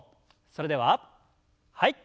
それでははい。